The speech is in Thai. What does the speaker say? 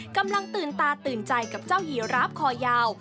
กำลังตื่นตาตื่นใจกับเจ้ายีราฟคอยาว